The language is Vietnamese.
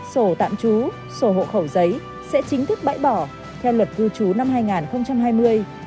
sổ tạm trú sổ hộ khẩu giấy sẽ chính thức bãi bỏ theo luật cư trú năm hai nghìn hai mươi